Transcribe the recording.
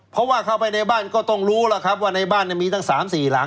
เพราะว่าเข้าไปในบ้านก็ต้องรู้แล้วครับว่าในบ้านมีตั้ง๓๔หลัง